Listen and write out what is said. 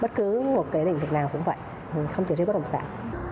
bất cứ một kỷ niệm thực nào cũng vậy không chỉ riêng bất động sản